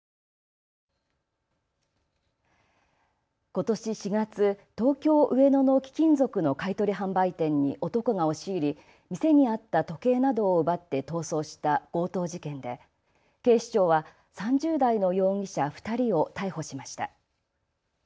ことし４月、東京上野の貴金属の買取販売店に男が押し入り店にあった時計などを奪って逃走した強盗事件で警視庁は３０代の容疑者２人を逮捕しました。